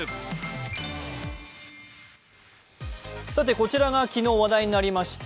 こちらが昨日話題になりました